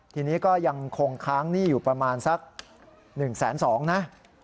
ทีนี้ก็ยังคงค้างหนี้อยู่ประมาณสัก๑๒๐๐นะ